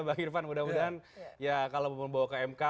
bang irfan mudah mudahan ya kalau membawa ke mk